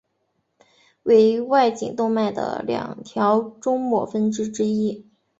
为外颈动脉的两条终末分支之一。